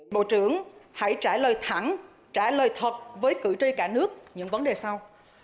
bộ trưởng hãy trả lời thẳng trả lời thật với cử tri cả nước những vấn đề sau